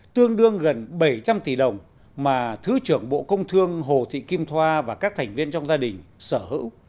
tương đương gần bảy trăm linh tỷ đồng mà thứ trưởng bộ công thương hồ thị kim thoa và các thành viên trong gia đình sở hữu